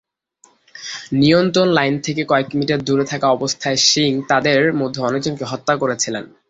নিয়ন্ত্রণ লাইন থেকে কয়েক মিটার দূরে থাকা অবস্থায় সিং তাদের মধ্যে একজনকে হত্যা করেছিলেন।